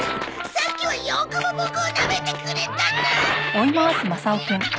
さっきはよくもボクをなめてくれたな！